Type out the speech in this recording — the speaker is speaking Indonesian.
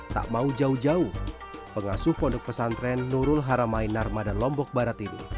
tak mau jauh jauh pengasuh pondok pesantren nurul haramain armada lombok barat ini